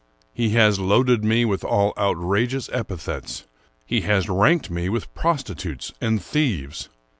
He has loaded me with all outrageous epithets. He has ranked me with prostitutes and thieves.